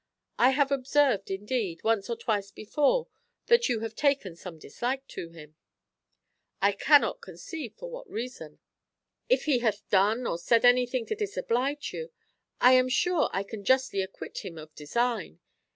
I have observed, indeed, once or twice before, that you have taken some dislike to him. I cannot conceive for what reason. If he hath said or done anything to disoblige you, I am sure I can justly acquit him of design.